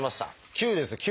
９です９。